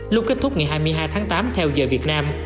lúc kết thúc ngày hai mươi hai tháng tám theo giờ việt nam